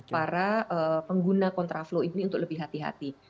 para pengguna kontraflow ini untuk lebih hati hati